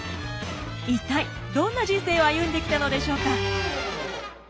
一体どんな人生を歩んできたのでしょうか？